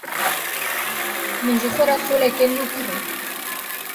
Min ji xwe re soleke nû kirî.